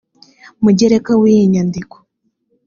mugereka w iyi nyandiko